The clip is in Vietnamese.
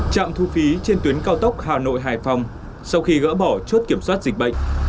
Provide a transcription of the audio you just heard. chạm thu phí trên tuyến cao tốc hà nội hài phong sau khi gỡ bỏ chốt kiểm soát dịch bệnh